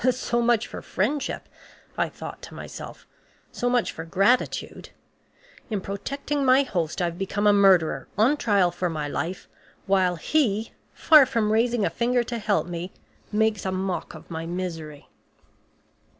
"So much for friendship!" I thought to myself, "so much for gratitude! In protecting my host, I have become a murderer, on trial for my life; while he, far from raising a finger to help me, makes a mock of my misery."